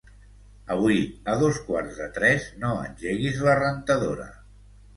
Avui a dos quarts de tres no engeguis la rentadora.